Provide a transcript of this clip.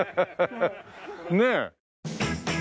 ねえ。